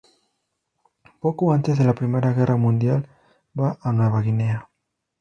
Poco antes de la primera guerra mundial, va a Nueva Guinea.